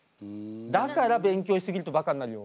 だから勉強しすぎるとバカになるよ。